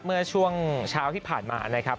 เมื่อช่วงเช้าที่ผ่านมานะครับ